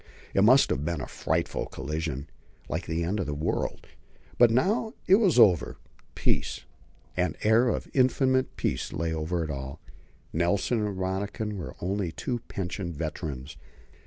It must have been a frightful collision, like the end of a world. But now it was over: peace an air of infinite peace lay over it all. Nelson and Rönniken were only two pensioned veterans.